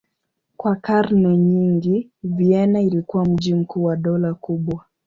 Kwa karne nyingi Vienna ilikuwa mji mkuu wa dola kubwa.